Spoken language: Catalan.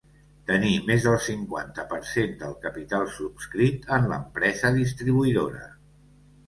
Tenir més del cinquanta per cent del capital subscrit en l'empresa distribuïdora.